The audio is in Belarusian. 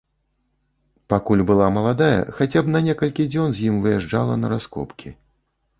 Пакуль была маладая, хаця б на некалькі дзён з ім выязджала на раскопкі.